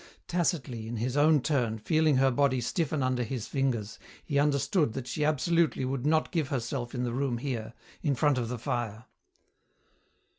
Tacitly, in his own turn, feeling her body stiffen under his fingers, he understood that she absolutely would not give herself in the room here, in front of the fire.